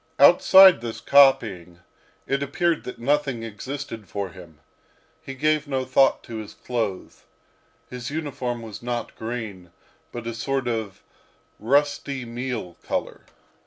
Outside this copying, it appeared that nothing existed for him. He gave no thought to his clothes. His uniform was not green, but a sort of rusty meal colour.